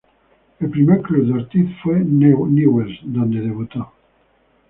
El primer club de Ortiz fue Newell's, donde debutó.